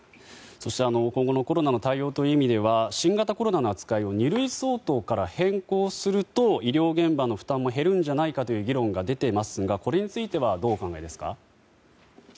そして、今後のコロナの対応という意味では新型コロナの扱いを二類相当から変更すると医療現場の負担も減るんじゃないかという議論が出ていますがこれについてはどうお考えですか？